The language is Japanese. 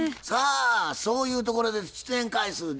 さあそういうところで出演回数